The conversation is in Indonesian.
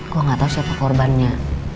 gue gak tau siapa korbannya